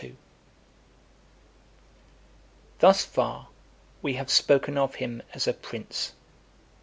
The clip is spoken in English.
XXII. Thus far we have spoken of him as a prince.